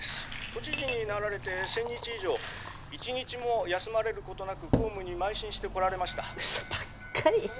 「都知事になられて１０００日以上一日も休まれる事なく公務に邁進してこられました」嘘ばっかり。